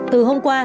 từ hôm qua